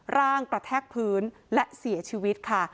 ร่างกระแทกพื้นและเสียชีวิตค่ะ